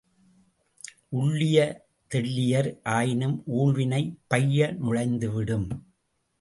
உள்ளிய தெள்ளியர் ஆயினும் ஊழ்வினை பைய நுழைந்து விடும்.